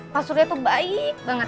pak surya tuh baik banget